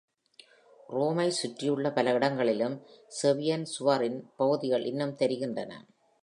ரோமை சுற்றியுள்ள பல இடங்களிலும் Servian சுவறின் பகுதிகள் இன்னும் தெரிகின்றன.